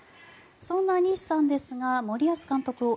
そんな西さんですが森保監督を